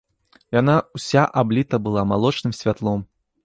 Яна ўся абліта была малочным святлом.